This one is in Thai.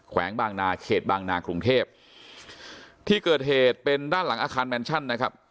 วงบางนาเขตบางนากรุงเทพที่เกิดเหตุเป็นด้านหลังอาคารแมนชั่นนะครับ